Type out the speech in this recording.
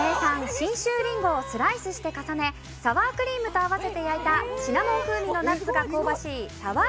信州りんごをスライスして重ねサワークリームと合わせて焼いたシナモン風味のナッツが香ばしいサワー